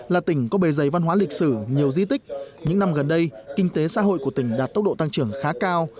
là tỉnh có bề dày văn hóa lịch sử nhiều di tích những năm gần đây kinh tế xã hội của tỉnh đạt tốc độ tăng trưởng khá cao